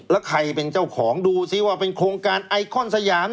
แล้วใครเป็นเจ้าของดูซิว่าเป็นโครงการไอคอนสยาม